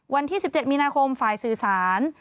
วันที่๑๗มีนาคมฝ่ายสื่อสาร